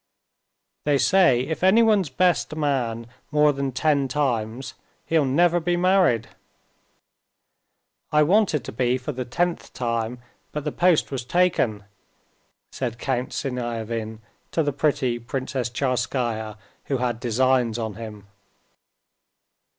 "They say if anyone's best man more than ten times, he'll never be married. I wanted to be for the tenth time, but the post was taken," said Count Siniavin to the pretty Princess Tcharskaya, who had designs on him.